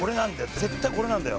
絶対これなんだよ。